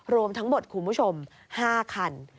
รวมทั้งหมดคุณผู้ชม๕คัน